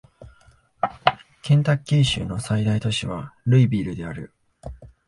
ケンタッキー州の最大都市はルイビルである